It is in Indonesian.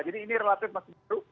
jadi ini relatif masih baru